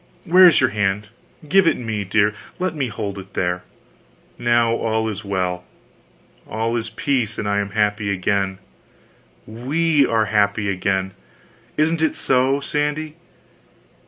Where is your hand? give it me, dear, let me hold it there now all is well, all is peace, and I am happy again we are happy again, isn't it so, Sandy?